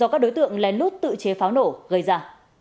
khi tự chế pháo nổ gây ra